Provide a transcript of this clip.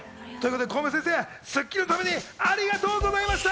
コウメ先生、『スッキリ』のためにありがとうございました！